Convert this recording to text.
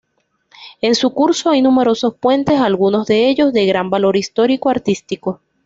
En su curso hay numerosos puentes algunos de ellos de gran valor histórico-artístico.